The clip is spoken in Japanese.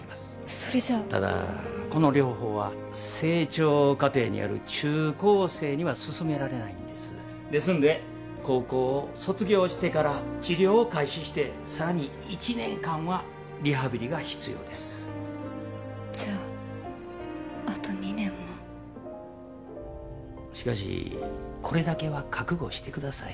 それじゃただこの療法は成長過程にある中高生にはすすめられないんですですんで高校を卒業してから治療を開始してさらに１年間はリハビリが必要ですじゃああと２年もしかしこれだけは覚悟してください